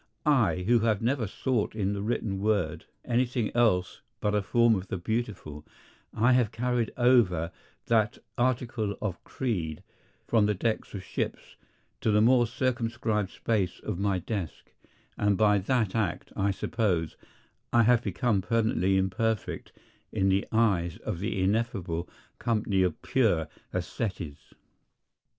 I, who have never sought in the written word anything else but a form of the Beautiful—I have carried over that article of creed from the decks of ships to the more circumscribed space of my desk, and by that act, I suppose, I have become permanently imperfect in the eyes of the ineffable company of pure esthetes.